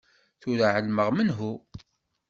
Tura εelmeɣ menhu.